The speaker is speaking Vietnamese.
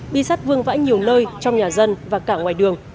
bi sắt vương vãi nhiều nơi trong nhà dân và cả ngoài đường